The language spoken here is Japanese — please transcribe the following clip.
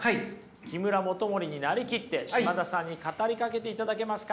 木村素衛になりきって嶋田さんに語りかけていただけますか。